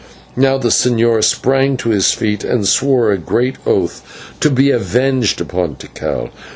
Now the señor sprang to his feet and swore a great oath to be avenged upon Tikal.